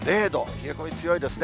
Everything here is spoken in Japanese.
冷え込み強いですね。